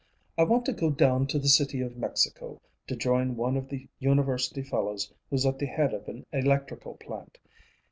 I want to go down to the City of Mexico to join one of the University fellows who's at the head of an electrical plant.